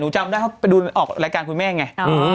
จำได้เขาไปดูออกรายการคุณแม่ไง